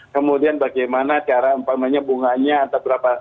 kemudian bagaimana cara empangannya bunganya atau berapa